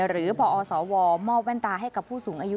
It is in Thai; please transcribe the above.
พอสวมอบแว่นตาให้กับผู้สูงอายุ